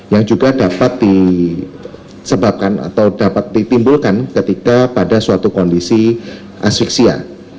yang juga dapat disebabkan atau dapat ditimbulkan ketika pada suatu kondisi asyiksia